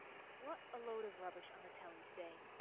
What a load of rubbish on the telly today.